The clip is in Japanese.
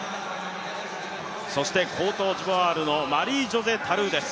そしてコートジボアールのマリージョセ・タルーです。